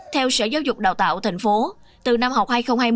theo sở giáo dục đào tạo tp hcm từ năm học hai nghìn hai mươi hai nghìn hai mươi một